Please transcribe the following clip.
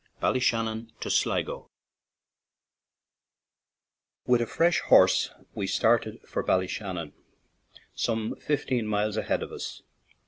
BALLYSHANNON TO SLIGO WITH a fresh horse we started for Bally shannon, some fifteen miles ahead of us.